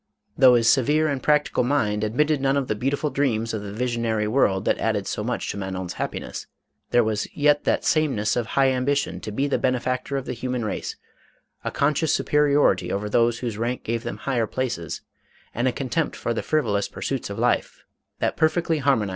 Though his severe and practical mind admit ted none of the beautiful dreams or the visionary world that added so much to Manon's happiness, there was yet that sameness of high ambition to be the benefactor of the human race, a conscious superiority over those whose rank gave them higher places, and a contempt for the frivolous pursuits of life, that perfectly harmon MADAME ROLAND.